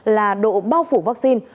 là độ bao phủ vaccine